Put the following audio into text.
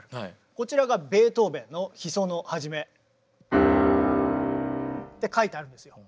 こちらがベートーベンの「悲愴」のはじめ。って書いてあるんですよ。